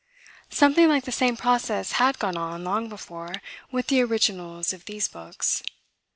Something like the same process had gone on, long before, with the originals of these books.